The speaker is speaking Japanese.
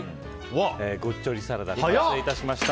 ゴッチョリサラダ完成しました。